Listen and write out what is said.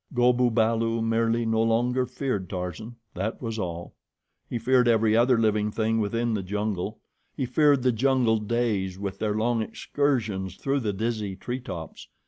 Go bu balu merely no longer feared Tarzan that was all. He feared every other living thing within the jungle. He feared the jungle days with their long excursions through the dizzy tree tops.